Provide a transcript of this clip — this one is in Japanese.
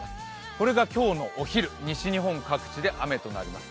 これが今日のお昼、西日本各地で雨となります。